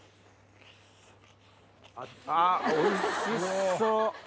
あおいしそう。